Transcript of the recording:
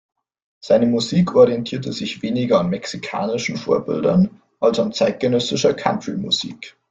Seine Musik orientierte sich weniger an mexikanischen Vorbildern, als an zeitgenössischer Country-Musik.